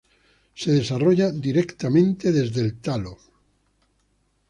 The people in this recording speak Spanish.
Se desarrolla directamente desde el talo.